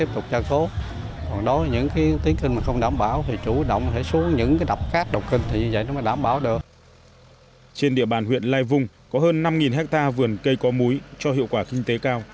trên địa bàn huyện lai vung có hơn năm hectare vườn cây có múi cho hiệu quả kinh tế cao